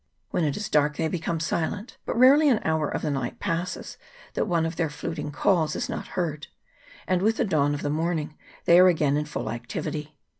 When it is dark they become silent ; but rarely an hour of the night passes that one of their fluting calls is not heard ; and with the dawn of the morn ing they are again in full activity.